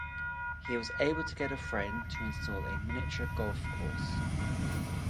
He was able to get a friend to install a miniature golf course.